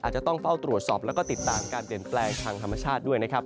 จะต้องเฝ้าตรวจสอบแล้วก็ติดตามการเปลี่ยนแปลงทางธรรมชาติด้วยนะครับ